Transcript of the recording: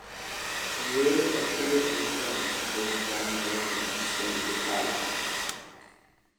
He later appeared in the films "Holy Matrimony" and "String of the Kite.